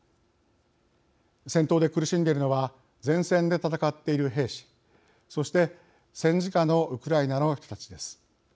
戦闘で苦しんでいるのは前線で戦っている兵士そして、戦時下のウクライナの人たちです。